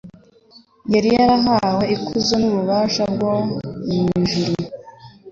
Yari yarahawe ikuzo n’ububasha byo mu ijuru.